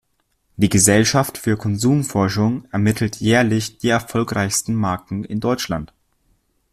Die Gesellschaft für Konsumforschung ermittelt jährlich die erfolgreichsten Marken in Deutschland.